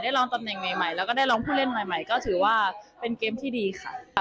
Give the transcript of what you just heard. ลองตำแหน่งใหม่แล้วก็ได้รองผู้เล่นใหม่ก็ถือว่าเป็นเกมที่ดีค่ะ